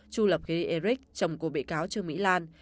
chu lập khiê đi erik chồng của bị cáo trương mỹ lan